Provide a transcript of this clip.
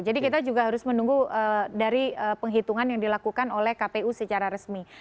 jadi kita juga harus menunggu dari penghitungan yang dilakukan oleh kpu secara resmi